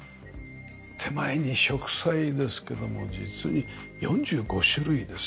手前に植栽ですけども実に４５種類です。